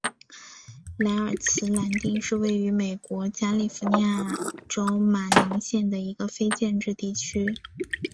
莱尔兹兰丁是位于美国加利福尼亚州马林县的一个非建制地区。